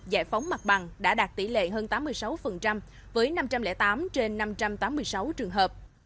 giải phóng mặt bằng đã đạt tỷ lệ hơn tám mươi sáu với năm trăm linh tám trên năm trăm tám mươi sáu trường hợp